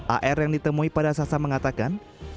ar yang ditemui pada sasa mengatakan